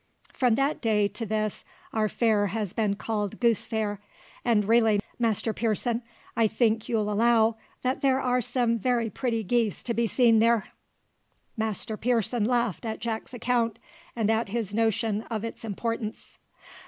"From that day to this our fair has been called Goose Fair; and really, Master Pearson, I think you'll allow that there are some very pretty geese to be seen there." Master Pearson laughed at Jack's account, and at his notion of its importance.